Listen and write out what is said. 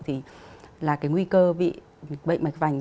thì là cái nguy cơ bị bệnh mạch vành